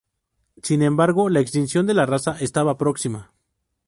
Sin embargo, la extinción de la raza estaba próxima.